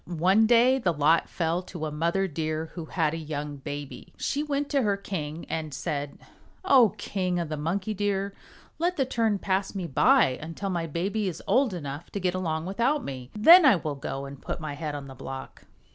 One day the lot fell to a mother Deer who had a young baby. She went to her king and said, "O King of the Monkey Deer, let the turn pass me by until my baby is old enough to get along without me. Then I will go and put my head on the block."